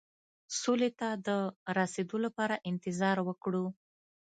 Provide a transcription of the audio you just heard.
سولې ته د رسېدو لپاره انتظار وکړو.